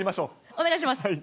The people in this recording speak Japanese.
お願いします。